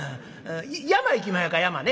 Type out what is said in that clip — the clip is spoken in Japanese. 山行きまひょか山ね。